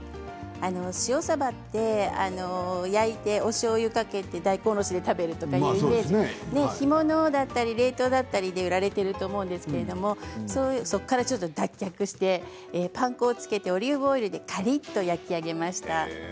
塩さばって焼いておしょうゆをかけて大根おろしで食べるというイメージ干物だったり冷凍だったりで売られていると思うんですけどそこからちょっと脱却してパン粉をつけてオリーブオイルでカリっと焼き上げました。